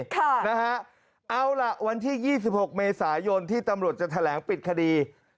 เอาล่ะวันที่๒๖เมษายนที่ตำรวจจะแถลงปิดคดี